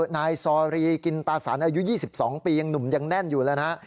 นายซอรีกินตาสันอายุ๒๒ปียังหนุ่มยังแน่นอยู่แล้วนะฮะ